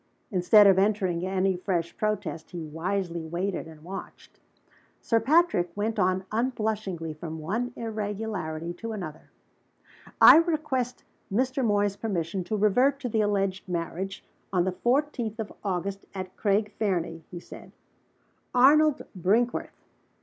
Instead of entering any fresh protest, he wisely waited and watched. Sir Patrick went on unblushingly from one irregularity to another. "I request Mr. Moy's permission to revert to the alleged marriage, on the fourteenth of August, at Craig Fernie," he said. "Arnold Brinkworth!